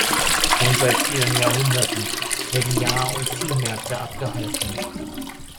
Schon seit vielen Jahrhunderten werden Jahr- und Viehmärkte abgehalten.